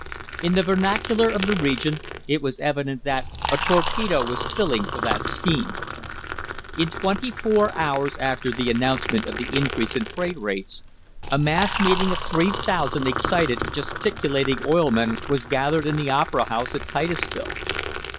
In the vernacular of the region, it was evident that "a torpedo was filling for that scheme." In twenty four hours after the announcement of the increase in freight rates a mass meeting of 3,000 excited, gesticulat ing oil men was gathered in the opera house at Titusville.